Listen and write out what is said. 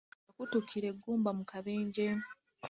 Yakutukira eggumba mu kabenje.